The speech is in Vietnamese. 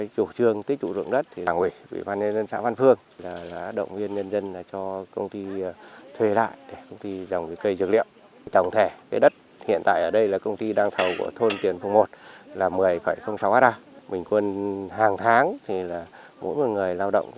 chủ trương tích chủ rộng đất là ubnd xã văn phương